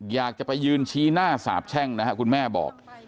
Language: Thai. อยากจะไปยืนชี้หน้าสาบแช่งนะครับคุณแม่บอก